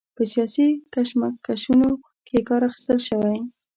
په سیاسي کشمکشونو کې کار اخیستل شوی.